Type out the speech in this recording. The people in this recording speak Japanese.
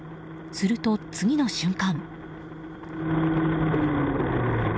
すると、次の瞬間。